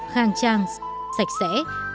khang trang sạch sẽ